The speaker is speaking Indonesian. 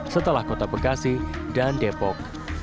setelah kota bekasi dan depok